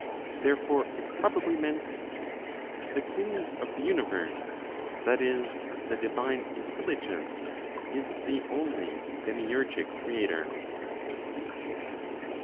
Therefore it probably meant: "The King (of the universe, that is, the divine Intelligence), is the only 'demiurgic' Creator.")